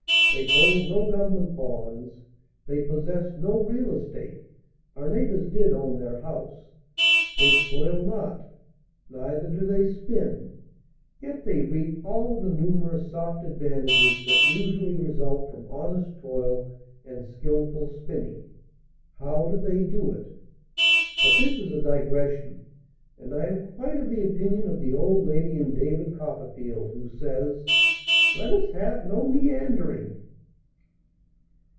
They hold no government bonds, they possess no real estate (our neighbors did own their house), they toil not, neither do they spin; yet they reap all the numerous soft advantages that usually result from honest toil and skilful spinning. How do they do it? But this is a digression, and I am quite of the opinion of the old lady in "David Copperfield," who says, "Let us have no meandering!"